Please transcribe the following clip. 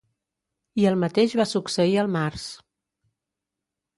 I el mateix va succeir al març.